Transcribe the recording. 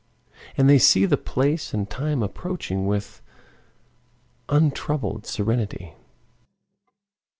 And they see the place and time approaching with untroubled serenity.